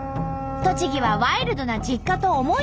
栃木はワイルドな実家と思い出の高台。